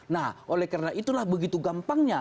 nah oleh karena itulah begitu gampangnya